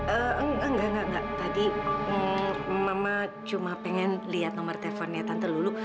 engga engga engga tadi mama cuma pengen lihat nomor telfonnya tante dulu